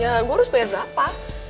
ya gue harus bayar berapa